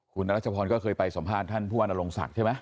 คุณรัชพรก็เคยไปสัมภาษณ์ท่านผู้ว่านรงศักดิ์ใช่ไหม